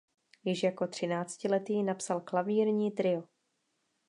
Již jako třináctiletý napsal klavírní trio.